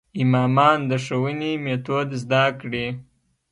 امامان د ښوونې میتود زده کړي.